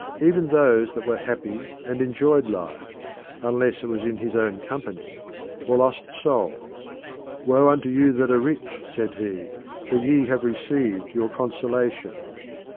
Even those that were happy and enjoyed life unless it was in his own company were lost souls. "Woe unto you that are rich," said he, "for ye have received your consolation.